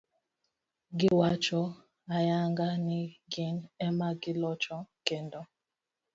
Giwacho ayanga ni gin ema gilocho, kendo